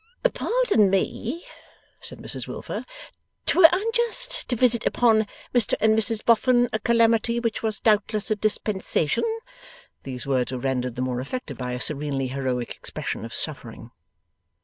'Pardon me,' said Mrs Wilfer. ''Twere unjust to visit upon Mr and Mrs Boffin, a calamity which was doubtless a dispensation.' These words were rendered the more effective by a serenely heroic expression of suffering.